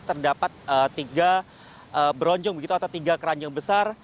terdapat tiga bronjong begitu atau tiga keranjang besar